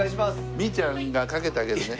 みーちゃんがかけてあげるね。